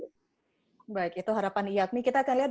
baik itu harapan iakmi kita akan lihat